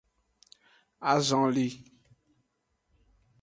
Azonli.